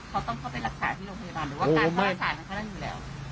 เป็นถ้านี่ที่เขาต้องเข้าไปหรือที่คุณภาไปรักษานั่งในโรงพยาบาล